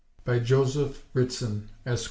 BY JOSEPH RITSON, ESQ.